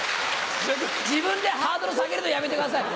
自分でハードル下げるのやめてくださいよ。